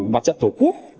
bạt trận thổ quốc